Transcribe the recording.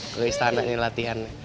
ke istana ini latihan